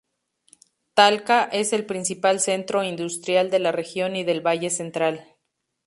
Talca es el principal centro industrial de la región y del valle Central.